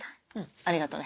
ありがとね。